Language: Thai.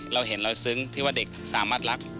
เราเห็นเราซึ้งที่ว่าเด็กสามารถรัก